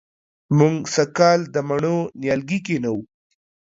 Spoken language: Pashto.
موږ سږ کال د مڼو نیالګي کېنوو